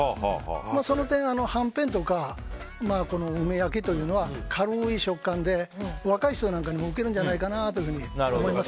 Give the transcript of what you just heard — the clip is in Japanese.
その点、はんぺんとか梅焼というのは軽い食感で、若い人なんかにも受けるんじゃないかなと思います。